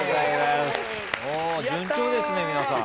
順調ですね皆さん。